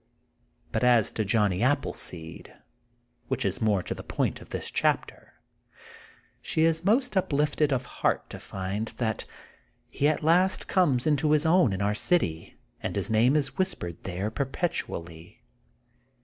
But as to Johnny Appleseed, which is more to the point of this chapter, ehe ia most up lifted of heart to find that he at last comes into his own in our city and his name is whis pered there perpetually.